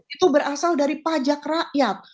itu berasal dari pajak rakyat